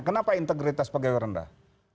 kenapa integritas pegawai rendah